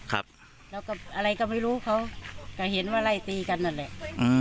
แล้วก็อะไรก็ไม่รู้เขาก็เห็นว่าไล่ตีกันนั่นแหละ